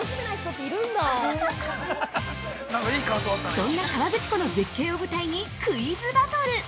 ◆そんな河口湖の絶景を舞台にクイズバトル。